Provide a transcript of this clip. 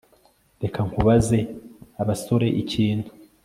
Reka nkubaze abasore ikintu